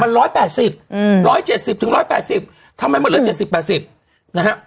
มันร้อยแปดสิบอืมร้อยเจ็ดสิบถึงร้อยแปดสิบทำไมมันเหลือเจ็ดสิบแปดสิบนะฮะ